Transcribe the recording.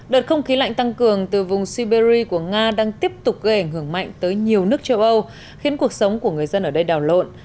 đợt không khí lạnh tăng cường từ vùng siberia của nga đang tiếp tục gây ảnh hưởng mạnh tới nhiều nước châu âu khiến cuộc sống của người dân ở đây đảo lộn